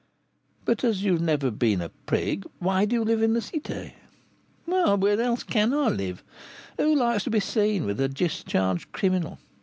"But as you have never been a 'prig,' why do you live in the Cité?" "Why, where else can I live? Who likes to be seen with a discharged criminal?